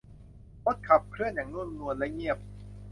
รถขับเคลื่อนอย่างนุ่มนวล และเงียบ